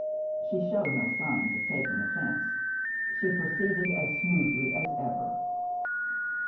She showed no signs of taking offence; she proceeded as smoothly as ever.